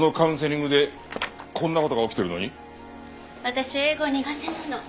私英語苦手なの。